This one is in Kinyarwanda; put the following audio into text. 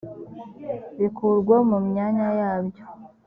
bikurwa mu myanya yabyo